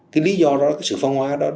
cái lý do đó cái sự phân hóa đó